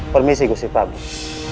permisi gusif agus